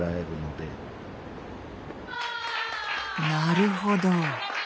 なるほど。